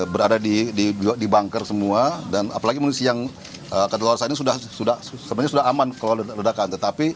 berada di bunker semua dan apalagi munisi yang ke luar sana ini sebenarnya sudah aman kalau ada redakan